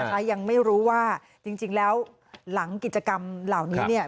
ยังไม่รู้ว่าจริงแล้วหลังกิจกรรมเหล่านี้เนี่ย